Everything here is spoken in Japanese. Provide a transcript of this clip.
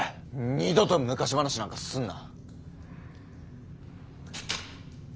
二度と昔話なんかすんな。